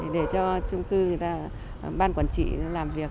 để cho chung cư ban quản trị làm việc